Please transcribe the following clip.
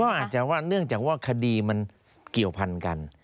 ก็อาจจะว่าเนื่องจากว่าคดีมันเกี่ยวพันกัน